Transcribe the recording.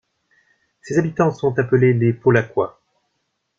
Ses habitants sont appelés les Paulhacois.